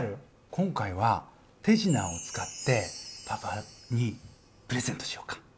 今回は手品を使ってパパにプレゼントしようか。